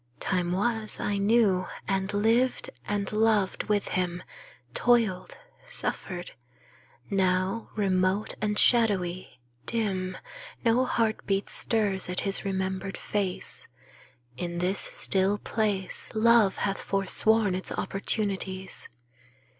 Time was I knew, and lived and loved with him; Toiled, suffered. Now, remote and shadowy, dim, No heartbeat stirs at his remembered face. In this still place Love hath forsworn its opportunities.